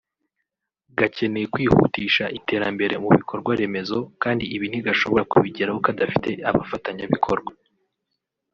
gakeneye kwihutisha iterambere mu bikorwaremezo kandi ibi ntigashobora kubigeraho kadafite abafatanyabikorwa